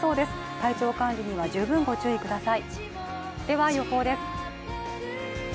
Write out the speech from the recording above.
体調管理には十分ご注意ください。